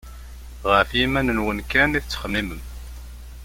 Γef yiman-nwen kan i tettxemmimem.